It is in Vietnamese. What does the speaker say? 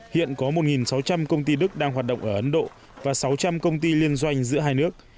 hiện có một sáu trăm linh công ty đức đang hoạt động ở ấn độ và sáu trăm linh công ty liên doanh giữa hai nước